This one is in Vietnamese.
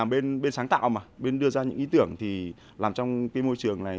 mình làm bên sáng tạo mà bên đưa ra những ý tưởng thì làm trong cái môi trường này